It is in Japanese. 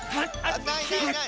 ないないない！